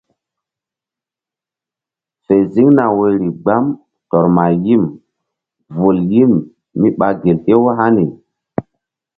Fe ziŋ na woyri gbam tɔr ma yim vul yim míɓa gel hew hani.